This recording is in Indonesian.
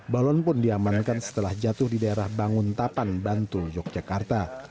balon pun diamankan setelah jatuh di daerah bangun tapan bantul yogyakarta